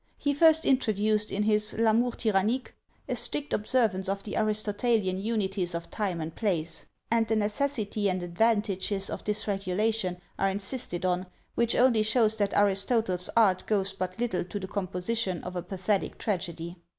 He first introduced, in his "L'Amour Tyrannique," a strict observance of the Aristotelian unities of time and place; and the necessity and advantages of this regulation are insisted on, which only shows that Aristotle's art goes but little to the composition of a pathetic tragedy.